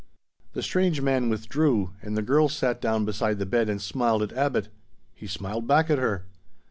The strange man withdrew, and the girl sat down beside the bed and smiled at Abbot. He smiled back at her.